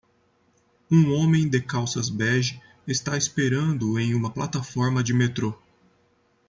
Um homem de calças bege está esperando em uma plataforma de metrô.